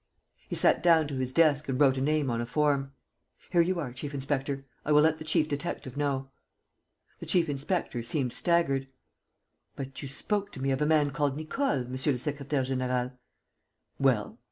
He sat down to his desk and wrote a name on a form: "Here you are, chief inspector. I will let the chief detective know." The chief inspector seemed staggered: "But you spoke to me of a man called Nicole, monsieur le secrétaire; général." "Well?"